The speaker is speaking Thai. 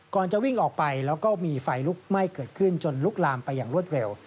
จะวิ่งออกไปแล้วก็มีไฟลุกไหม้เกิดขึ้นจนลุกลามไปอย่างรวดเร็ว